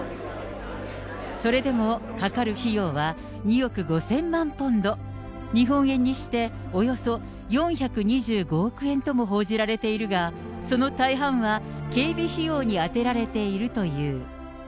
それでもかかる費用は２億５０００万ポンド、日本円にしておよそ４２５億円とも報じられているが、その大半は警備費用に充てられているという。